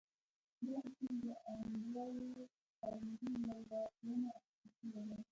دا اصول د انډريو کارنګي له لارښوونو اخيستل شوي دي.